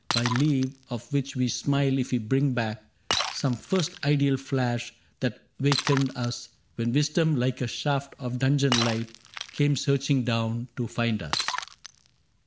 By leave of which we smile if we bring back Some first ideal flash that wakened us When wisdom like a shaft of dungeon light Came searching down to find us.